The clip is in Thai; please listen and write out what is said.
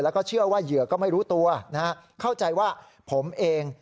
แล้วก็เชื่อว่าเหยื่อก็ไม่รู้ตัวนะฮะเข้าใจว่าผมเอง